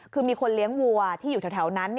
คือมีคนเลี้ยงวัวที่อยู่แถวนั้น